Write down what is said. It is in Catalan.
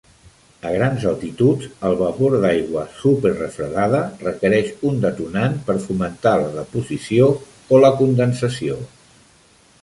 A grans altituds, el vapor d'aigua superrefredada requereix un detonant per fomentar la deposició o la condensació.